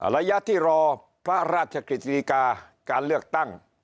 ระยะที่รอพระราชกฤษฎีกาการเลือกตั้ง